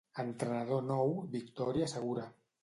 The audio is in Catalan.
Entrenador nou, victòria segura.